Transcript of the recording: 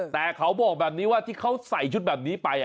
แต่เขาบอกแบบนี้ว่าที่เขาใส่ชุดแบบนี้ไป